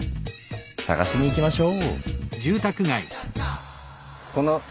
探しに行きましょう！